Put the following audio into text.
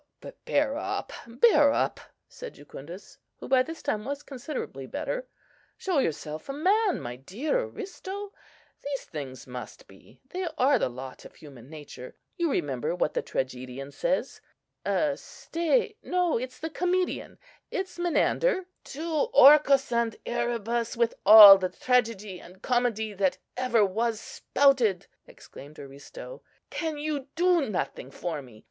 "Bear up! bear up!" said Jucundus, who by this time was considerably better; "show yourself a man, my dear Aristo. These things must be;—they are the lot of human nature. You remember what the tragedian says: stay! no!—it's the comedian,—it's Menander"—— "To Orcus and Erebus with all the tragedy and comedy that ever was spouted!" exclaimed Aristo. "Can you do nothing for me?